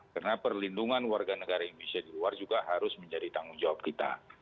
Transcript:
karena perlindungan warga negara indonesia di luar juga harus menjadi tanggung jawab kita